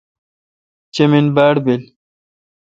چمین باڑبیل۔